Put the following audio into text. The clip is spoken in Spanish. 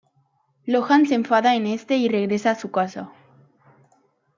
Lohan se enfada en este y regresa a su casa.